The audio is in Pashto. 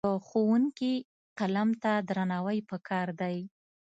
د ښوونکي قلم ته درناوی پکار دی.